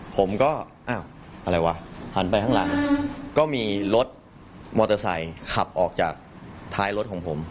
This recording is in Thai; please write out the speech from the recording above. ผมก็อ้าวอะไรวะหันไปข้างหลังก็มีรถมอเตอร์ไซค์ขับออกจากท้ายรถของผม